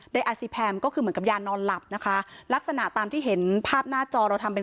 อาซีแพมก็คือเหมือนกับยานอนหลับนะคะลักษณะตามที่เห็นภาพหน้าจอเราทำเป็น